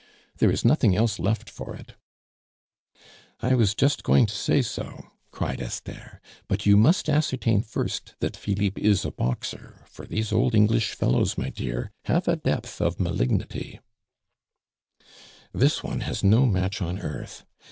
There is nothing else left for it " "I was just going to say so," cried Esther. "But you must ascertain first that Philippe is a boxer; for these old English fellows, my dear, have a depth of malignity " "This one has no match on earth.